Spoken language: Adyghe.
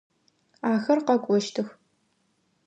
Ахэр къэкӏощтых.